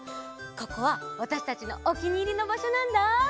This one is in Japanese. ここはわたしたちのおきにいりのばしょなんだ！